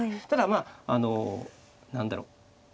ただまあなんだろう